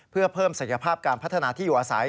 เพื่อเพิ่มศักยภาพการพัฒนาที่อยู่อาศัย